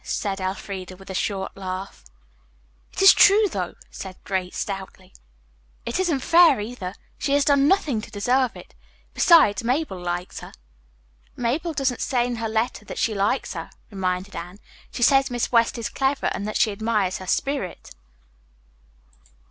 said Elfreda, with a short laugh. "It is true, though," said Grace stoutly. "It isn't fair, either. She has done nothing to deserve it. Besides, Mabel likes her." "Mabel doesn't say in her letter that she likes her," reminded Anne. "She says Miss West is clever and that she admires her spirit."